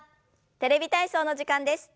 「テレビ体操」の時間です。